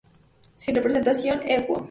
Sin representación, Equo.